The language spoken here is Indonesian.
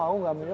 aku gak minta